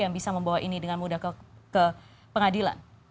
yang bisa membawa ini dengan mudah ke pengadilan